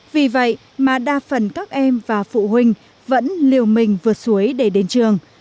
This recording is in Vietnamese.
vì vậy mà đa phần các em và phụ huynh vẫn liều mình vượt suối để đến trường